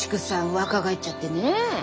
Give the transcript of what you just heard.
若返っちゃってねえ。